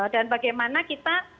dan bagaimana kita